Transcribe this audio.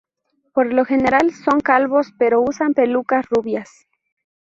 Por lo general son calvos pero usan pelucas rubias.